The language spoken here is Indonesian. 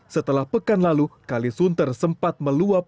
setelah pekan lalu kalisunter sempat meluap